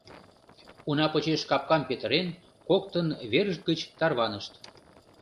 Уна почеш капкам петырен, коктын верышт гыч тарванышт.